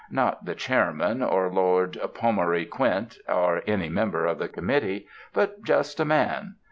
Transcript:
Not the chairman, or Lord Pommery Quint, or any member of the committee, but just A Man.